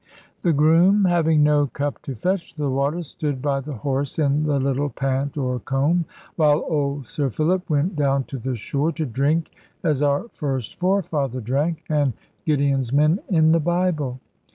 The groom, having no cup to fetch the water, stood by the horse in the little pant or combe; while old Sir Philip went down to the shore, to drink as our first forefather drank, and Gideon's men in the Bible.